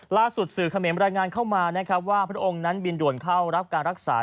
ล่าสุดสื่อเขมรรายงานเข้ามานะครับว่าพระองค์นั้นบินด่วนเข้ารับการรักษา